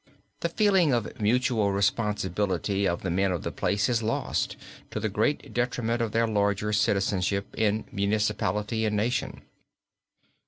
The feeling of mutual responsibility of the men of the place is lost, to the great detriment of their larger citizenship in municipality and nation.